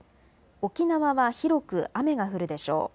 沖縄は広く雨が降るでしょう。